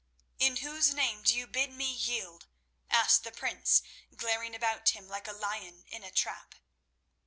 "In whose name do you bid me yield?" asked the prince, glaring about him like a lion in a trap.